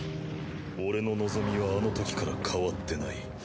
俺の望みはあのときから変わってない。